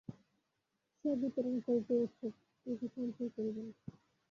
সে বিতরণ করিতেই উৎসুক, কিছু সঞ্চয় করিবে না।